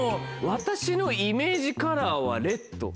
「私のイメージカラーはレッド」。